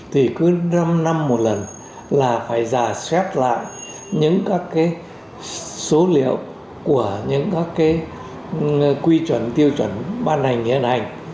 thì cứ năm năm một lần là phải giả soát lại những các số liệu của những các cái quy chuẩn tiêu chuẩn ban hành hiện hành